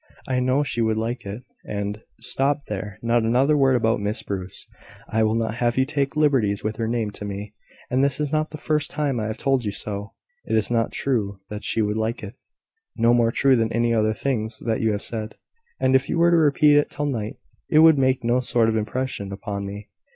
I know she would like it, and " "Stop there! Not another word about Miss Bruce! I will not have you take liberties with her name to me; and this is not the first time I have told you so. It is not true that she would like it no more true than many other things that you have said: and if you were to repeat it till night, it would make no sort of impression upon me.